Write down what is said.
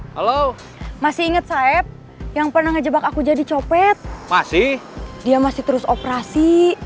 halo masih inget sayap yang pernah ngejebak aku jadi copet dia masih terus operasi